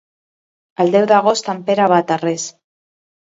El deu d'agost en Pere va a Tarrés.